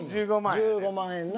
１５万円な。